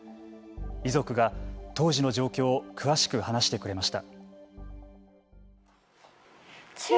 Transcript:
遺族が当時の状況を詳しく話してくれました。